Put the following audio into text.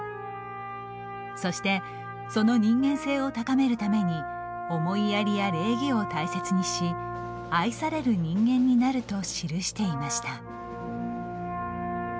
そしてその人間性を高めるために思いやりや礼儀を大切にし愛される人間になると記していました。